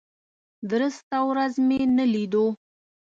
درسته ورځ مې نه لیدو.